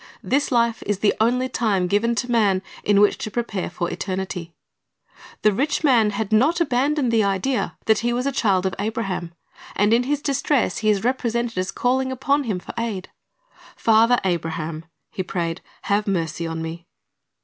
This life is the only time given to man in which to prepare for eternity. The jich man had not abandoned the idea that he was 264 C hri s t' s O bj e c t Lessons a child of Abraham, and in his distress he is represented as calhng upon him for aid. "Father Abraham," he prayed, "have mercy on me."